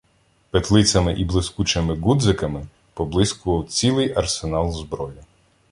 петлицями і блискучими ґудзиками поблискував цілий арсенал зброї.